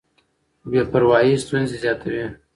خو بې پروايي ستونزې زیاتوي.